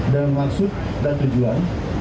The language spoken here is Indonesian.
dan maksud dan tujuan